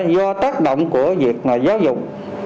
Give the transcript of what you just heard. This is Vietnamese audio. do tác động của việc giáo dục